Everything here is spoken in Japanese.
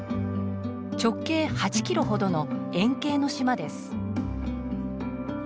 直径８キロほどの円形の島です。